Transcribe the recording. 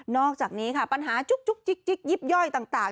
นอกจากนี้ค่ะปัญหาจุ๊กจุ๊กจิ๊กจิ๊กยิบย่อยต่างต่าง